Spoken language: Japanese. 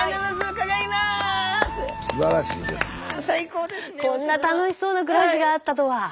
こんな楽しそうな暮らしがあったとは。